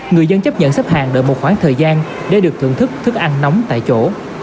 người dân chấp nhận xếp hàng đợi một khoảng thời gian để được thưởng thức thức ăn nóng tại chỗ